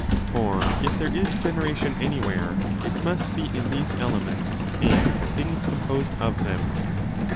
For if there is generation anywhere, it must be in these elements and things com posed of them.